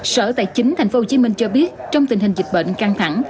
sở tài chính thành phố hồ chí minh cho biết trong tình hình dịch bệnh căng thẳng